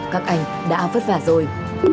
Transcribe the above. các ảnh đã vất vả rồi